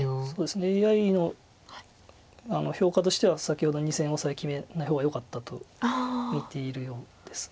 ＡＩの評価としては先ほど２線オサエ決めない方がよかったと見ているようです。